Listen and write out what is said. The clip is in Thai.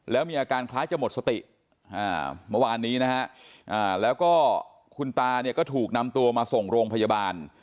แล้วมีอาการคล้ายจะหมดสติเมื่อวานนี้นะฮะแล้วก็คุณตาเนี่ยก็ถูกนำตัวมาส่งโรงพยาบาล